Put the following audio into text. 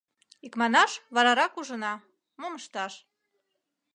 — Икманаш, варарак ужына, мом ышташ.